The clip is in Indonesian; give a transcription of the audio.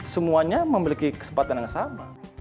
semuanya memiliki kesempatan yang sama